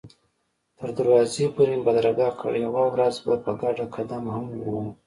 تر دروازې پورې مې بدرګه کړ، یوه ورځ به په ګډه قدم هم ووهو.